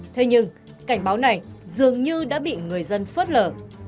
thế nhưng cảnh báo này dường như đã bị người dân phớt lở